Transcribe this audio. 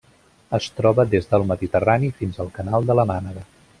Es troba des del Mediterrani fins al canal de la Mànega.